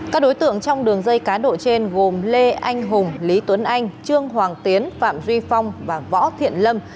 các đối tượng trong đường dây cá độ trên gồm lê anh hùng lý tuấn anh trương hoàng tiến phạm duy phong và võ thiện lâm